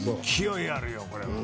勢いあるよこれは。